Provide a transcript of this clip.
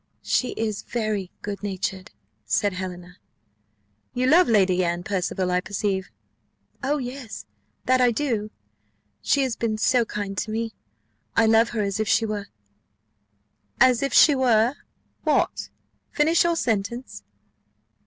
"She is very good natured," said Helena. "You love this Lady Anne Percival, I perceive." "Oh, yes, that I do. She has been so kind to me! I love her as if she were " "As if she were What? finish your sentence."